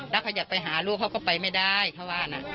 แล้วเขาอยากไปหาลูกเขาก็ไปไม่ได้เขาว่านะ